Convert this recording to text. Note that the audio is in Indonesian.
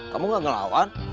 kamu gak ngelawan